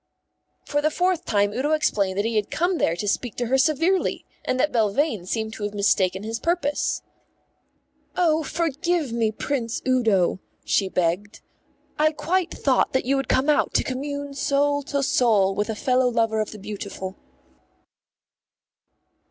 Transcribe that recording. For the fourth time Udo explained that he had come there to speak to her severely, and that Belvane seemed to have mistaken his purpose. "Oh, forgive me, Prince Udo," she begged. "I quite thought that you had come out to commune soul to soul with a fellow lover of the beautiful."